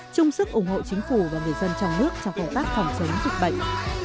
chung sức ủng hộ chính phủ và người dân trong nước cho cộng tác phòng chống dịch bệnh